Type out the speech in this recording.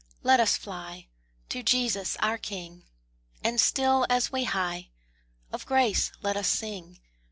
let us fly To Jesus our King; And still as we hie, Of grace let us sing.